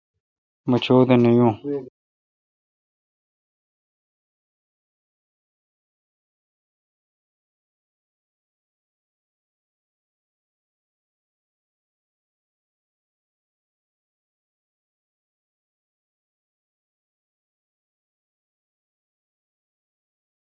مہ چودہ نہ یون